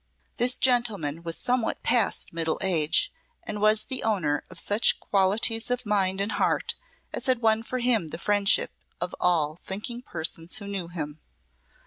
This gentleman was somewhat past middle age, and was the owner of such qualities of mind and heart as had won for him the friendship of all thinking persons who knew him.